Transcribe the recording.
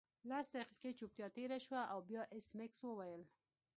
لس دقیقې چوپتیا تیره شوه او بیا ایس میکس وویل